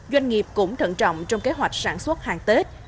doanh nghiệp cũng thận trọng trong kế hoạch sản xuất hàng tết